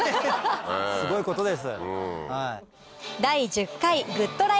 すごいことです。